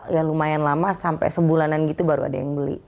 ya lumayan lama sampai sebulanan gitu baru ada yang beli